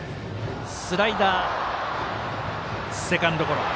スライダー、セカンドゴロ。